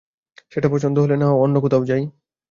সেটা পছন্দ নাহলে অন্য কোথাও যাই।